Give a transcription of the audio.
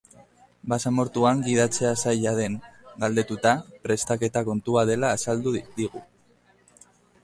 Basamortuan gidatzea zaila den galdetuta, prestaketa kontua dela azaldu digu.